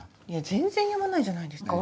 全然やまないじゃないですか。